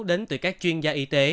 đến từ các chuyên gia y tế